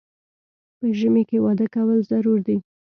په ژمي کې واده کول ضروري دي